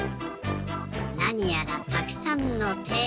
なにやらたくさんのて。